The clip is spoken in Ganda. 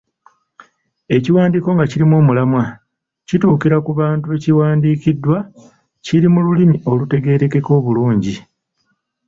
Ekiwandiiko nga kirimu omulamwa, kituukira ku bantu be kiwandiikiddwa, kiri mu lulimi olutegeerekeka obulungi.